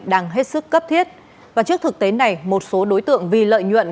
đang hết sức cấp thiết và trước thực tế này một số đối tượng vì lợi nhuận